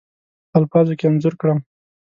په الفاظو کې انځور کړم.